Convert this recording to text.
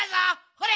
ほれ！